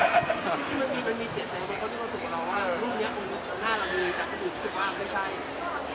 มีเสียเสียใจในการรู้สึกว่ารูปนี้น่ารักเลยแต่กระดูกสุดบ้างไม่ใช่